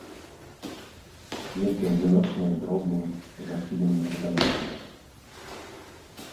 Кветкі адзіночныя, дробныя, з адхіленымі кветаножкамі.